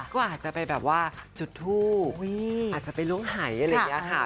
ก็อาจจะไปแบบว่าจุดทูบอาจจะไปล้วงหายอะไรอย่างนี้ค่ะ